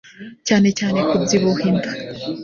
cyane cyane kubyibuha inda